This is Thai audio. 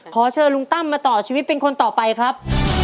ขอเชิญลุงตั้มมาต่อชีวิตเป็นคนต่อไปครับ